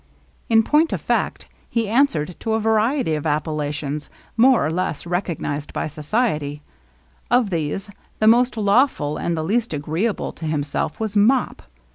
In point of fact^ he answered to a variety of appellations^ more or less recognized by society; of these the most lawful and the least agreeable to himself was Mop.